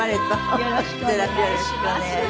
よろしくお願いします。